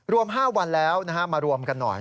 รวม๕วันแล้วมารวมกันหน่อย